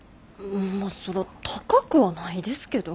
まあそら高くはないですけど。